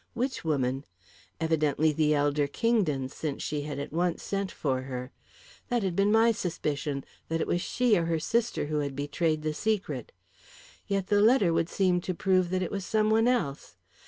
Which woman? Evidently the elder Kingdon, since she had at once sent for her. That had been my suspicion that it was she or her sister who had betrayed the secret. Yet the letter would seem to prove that it was some one else.